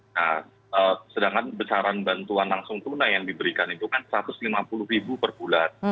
nah sedangkan besaran bantuan langsung tunai yang diberikan itu kan rp satu ratus lima puluh ribu per bulan